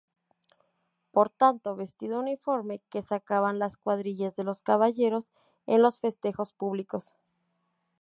Por tanto, vestido uniforme que sacaban las cuadrillas de caballeros en los festejos públicos.